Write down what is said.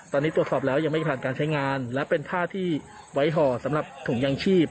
ตอนนี้ตรวจสอบแล้วยังไม่ผ่านการใช้งานและเป็นผ้าที่ไว้ห่อสำหรับถุงยางชีพ